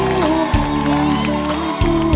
ยังฝืนสู้ความจริง